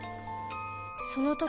その時